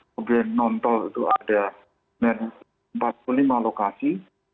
kemudian non tol itu ada empat puluh lima lokasi